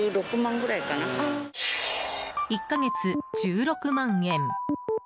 １か月１６万円。